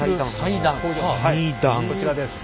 こちらです。